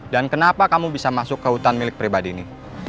dan kenapa kamu bisa masuk ke hutan milik pribadi ini